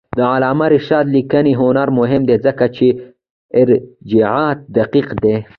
د علامه رشاد لیکنی هنر مهم دی ځکه چې ارجاعات دقیق دي.